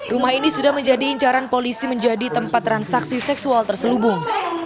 rumah ini sudah menjadi incaran polisi menjadi tempat transaksi seksual terselubung